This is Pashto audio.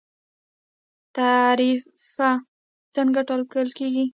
تعرفه څنګه ټاکل کیږي؟